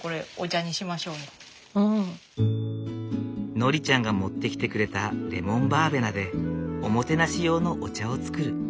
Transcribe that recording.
ノリちゃんが持ってきてくれたレモンバーベナでおもてなし用のお茶を作る。